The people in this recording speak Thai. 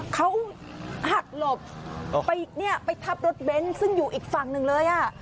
เขาหักหลบไปเนี่ยไปทับรถเบนท์ซึ่งอยู่อีกฝั่งหนึ่งเลยอ่ะ